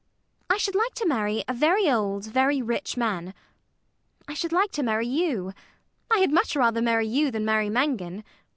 I should like to marry a very old, very rich man. I should like to marry you. I had much rather marry you than marry Mangan.